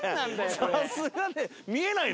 さすがね。